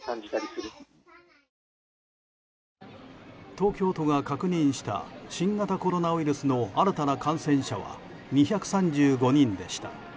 東京都が確認した新型コロナウイルスの新たな感染者は２３５人でした。